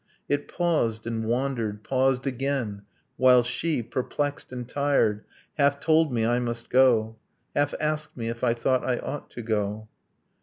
It paused ... and wandered ... paused again; while she, Perplexed and tired, half told me I must go, Half asked me if I thought I ought to go